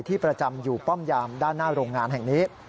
ประจำอยู่ป้อมยามด้านหน้าโรงงานแห่งนี้